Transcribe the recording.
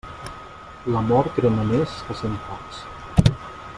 L'amor crema més que cent focs.